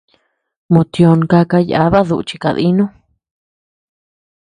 Mo tiö kaka yàba dü chi kadínu.